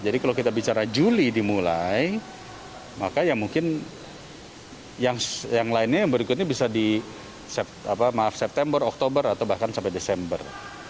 jadi kalau kita bicara juli dimulai maka yang mungkin yang lainnya yang berikutnya bisa di maaf september oktober atau bahkan sampai desember